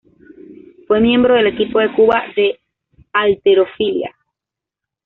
Fue miembro del equipo de Cuba de halterofilia.